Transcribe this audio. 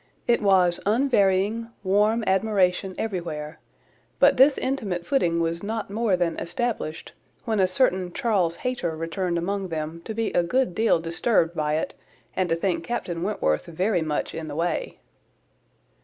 It was unvarying, warm admiration everywhere; but this intimate footing was not more than established, when a certain Charles Hayter returned among them, to be a good deal disturbed by it, and to think Captain Wentworth very much in the way.